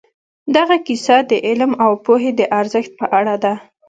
دغه کیسه د علم او پوهې د ارزښت په اړه ده.